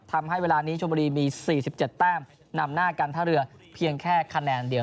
ทำให้เวลานี้ชมบุรีมี๔๗แต้มนำหน้าการท่าเรือเพียงแค่คะแนนเดียว